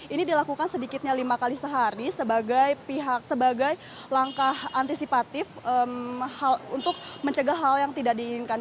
ini dilakukan sedikitnya lima kali sehari sebagai langkah antisipatif untuk mencegah hal yang tidak diinginkan